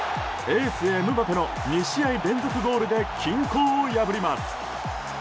エース、エムバペの２試合連続ゴールで均衡を破ります。